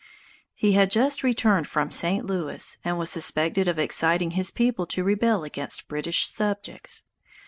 He had just returned from St. Louis, and was suspected of exciting his people to rebel against British subjects.